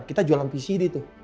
kita jualan vcd tuh